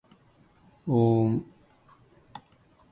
おーん